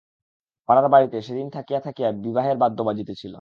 পাড়ার বাড়িতে সেদিন থাকিয়া থাকিয়া বিবাহের বাদ্য বাজিতেছিল।